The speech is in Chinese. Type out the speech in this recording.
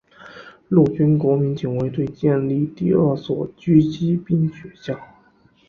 陆军国民警卫队建立第二所狙击兵学校。